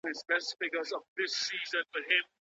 له ويده څخه قلم پورته دی، تر څو چي ويښيږي.